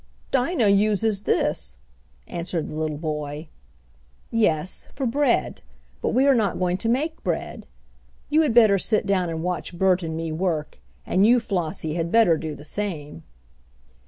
"Dinah uses this," answered the little boy. "Yes, for bread. But we are not going to make bread. You had better sit down and watch Bert and me work, and you, Flossie, had better do the same."